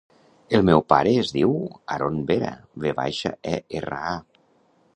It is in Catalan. El meu pare es diu Aron Vera: ve baixa, e, erra, a.